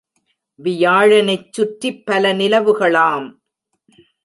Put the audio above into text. வியாழனைச் சுற்றி பல நிலவுகளாம்!